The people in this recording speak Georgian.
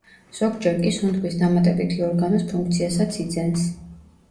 ზოგჯერ კი სუნთქვის დამატებითი ორგანოს ფუნქციასაც იძენს.